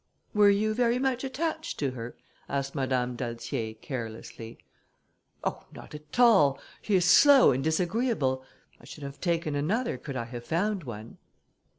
"Were you very much attached to her?" asked Madame d'Altier, carelessly. "Oh! not at all; she is slow and disagreeable. I should have taken another could I have found one."